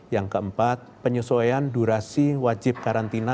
yang keempat penyesuaian durasi wajib karantina